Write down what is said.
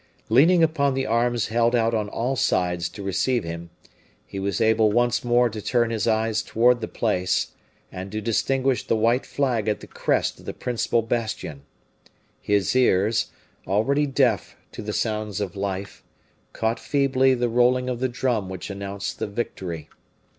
Leaning upon the arms held out on all sides to receive him, he was able once more to turn his eyes towards the place, and to distinguish the white flag at the crest of the principal bastion; his ears, already deaf to the sounds of life, caught feebly the rolling of the drum which announced the victory.